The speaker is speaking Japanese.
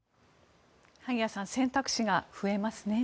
萩谷さん選択肢が増えますね。